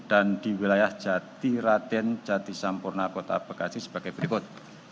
dan di wilayah jati raden jati sampurna kota bekasi sebagai berikut